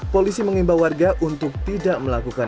polisi mengimbau warga untuk tidak melakukan